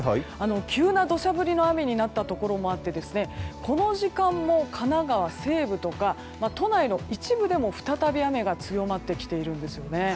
急な土砂降りの雨になったところもあってこの時間も神奈川西部とか都内の一部でも再び雨が強まってきているんです。